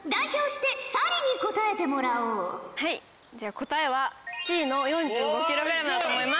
答えはＣの４５ｋｇだと思います。